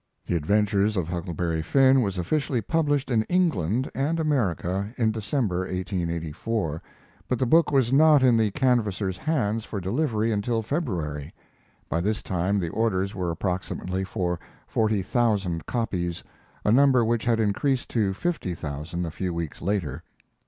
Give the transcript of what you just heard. ] 'The Adventures of Huckleberry Finn' was officially published in England and America in December, 1884, but the book was not in the canvassers' hands for delivery until February. By this time the orders were approximately for forty thousand copies, a number which had increased to fifty thousand a few weeks later.